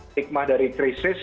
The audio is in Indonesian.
nikmah dari krisis